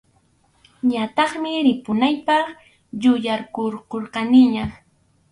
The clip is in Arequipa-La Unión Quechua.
Ñataqmi ripunaypaq yuyaykukurqaniña.